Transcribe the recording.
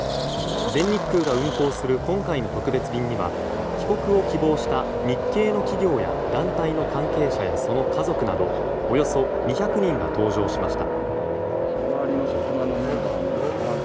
全日空が運航する今回の特別便には帰国を希望した日系の企業や団体の関係者やその家族などおよそ２００人が搭乗しました。